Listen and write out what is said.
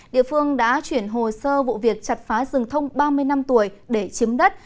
địa phương đã chuyển hồ sơ vụ việc chặt phá rừng thông ba mươi năm tuổi để chiếm đất